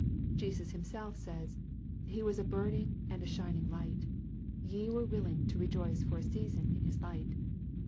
Jesus Himself says, " He was a burning and a shining light : ye were willing to re joice for a season in his light."